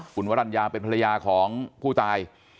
คุณวรรณยาเป็นภรรยาของผู้ตาย